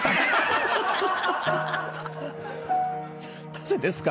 なぜですか？